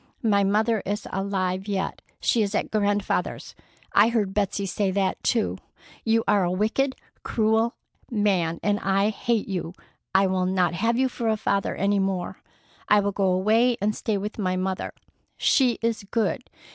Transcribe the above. My mother is alive yet. She is at Grandfather's. I heard Betsey say that too. You are a wicked, cruel man, and I hate you. I will not have you for a father any more. I will go away and stay with my mother. She is good.